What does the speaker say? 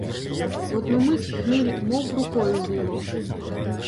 В одну мить хміль мов рукою зняло.